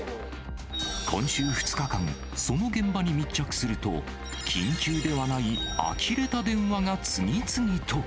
今週２日間、その現場に密着すると、緊急ではないあきれた電話が次々と。